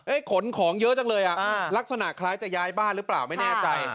ขนของเยอะจังเลยอ่ะลักษณะคล้ายจะย้ายบ้านหรือเปล่าไม่แน่ใจ